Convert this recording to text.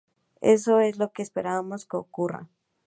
Eso es lo que esperamos que ocurra.